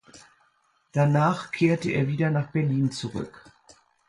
Danach kehrte er wieder nach Berlin zurück.